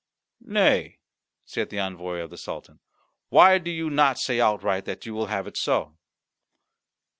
"Nay," said the envoy of the Sultan, "why do you not say outright that you will have it so?"